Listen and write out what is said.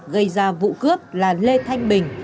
gây ra vụ cướp là lê thanh bình